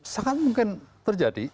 sangat mungkin terjadi